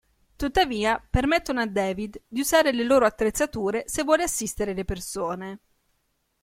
Tuttavia permettono a David di usare le loro attrezzature se vuole assistere le persone.